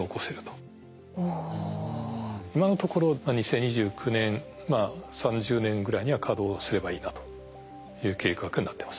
今のところ２０２９年２０３０年ぐらいには稼働すればいいなという計画になってます。